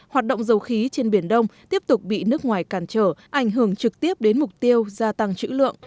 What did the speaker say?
hoạt động dầu khí trên biển đông tiếp tục bị nước ngoài cản trở ảnh hưởng trực tiếp đến mục tiêu gia tăng chữ lượng